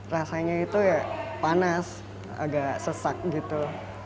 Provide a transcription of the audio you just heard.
rasanya itu ya panas agak sesak gitu